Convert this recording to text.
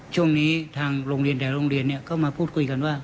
ช่วงนี้ทางโรงเรียนหลายโรงเรียนก็มาพูดคุยกันว่า